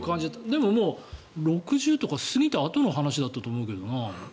でももう６０とか過ぎたあとの話だったと思うけどな。